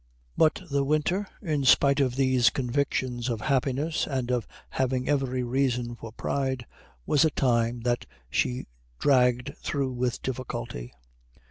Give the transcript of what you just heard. But the winter, in spite of these convictions of happiness and of having every reason for pride, was a time that she dragged through with difficulty.